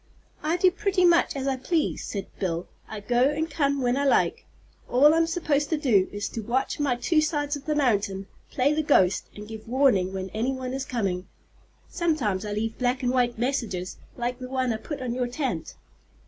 "I do pretty much as I please," said Bill. "I go and come when I like. All I'm supposed to do is to watch my two sides of the mountain, play the ghost, and give warning when any one is coming. Sometimes I leave black and white messages, like the one I put on your tent.